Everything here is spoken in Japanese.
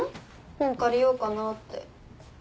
本借りようかなって。